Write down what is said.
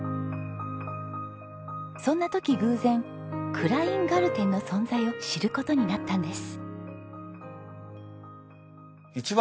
そんな時偶然クラインガルテンの存在を知る事になったんです。